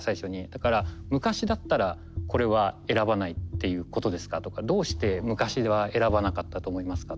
だから昔だったらこれは選ばないっていうことですかとかどうして昔では選ばなかったと思いますかとか。